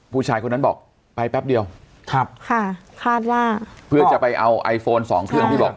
ผู้ชายคนนั้นบอกไปแป๊บเดียวครับค่ะคาดว่าเพื่อจะไปเอาไอโฟนสองเครื่องที่บอก